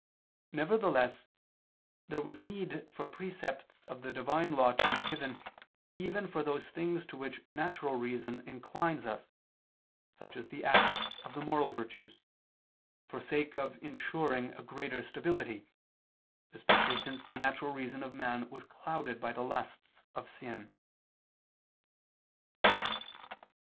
Nevertheless there was need for precepts of the Divine law to be given even for those things to which natural reason inclines us, such as the acts of the moral virtues, for sake of insuring a greater stability, especially since the natural reason of man was clouded by the lusts of sin.